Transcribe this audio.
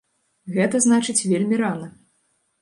Гэта значыць вельмі рана.